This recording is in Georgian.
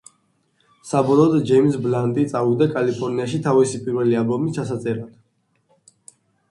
საბოლოოდ ჯეიმზ ბლანტი წავიდა კალიფორნიაში, თავისი პირველი ალბომის ჩასაწერად.